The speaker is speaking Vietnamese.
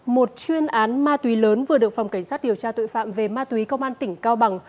một chuyên án ma túy lớn vừa được phòng cảnh sát điều tra tội phạm về ma túy công an tỉnh cao bằng